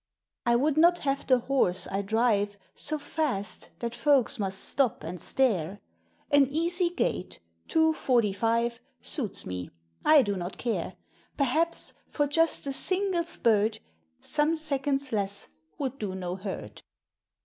LABOR AND REST. 425 I would not have the horse I dri So fast that folks must stop and stare ; An easy gait — two, forty five — Suits me ; I do not care ;— Perhaps, for just a single spurt, Some seconds less would do no hurt.